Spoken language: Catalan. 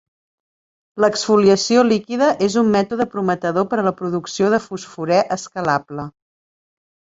L'exfoliació líquida és un mètode prometedor per a la producció de fosforè escalable.